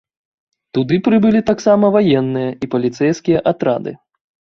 Туды прыбылі таксама ваенныя і паліцэйскія атрады.